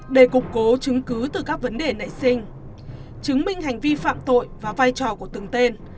để cục cố chứng cứ từ các vấn đề nảy sinh chứng minh hành vi phạm tội và vai trò của từng tên